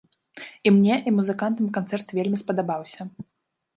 І мне, і музыкантам канцэрт вельмі спадабаўся!